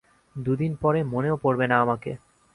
দুদিন পরে মনেও পড়বে না আমাকে।